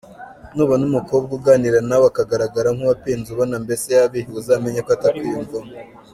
Nubona umukobwa uganira nawe akagaragara nku wapinze ubona mbese yabihiwe uzamenye ko atakwiyumvamo.